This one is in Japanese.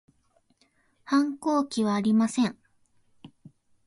反抗期はありません